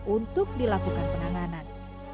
untuk dilakukan penanganan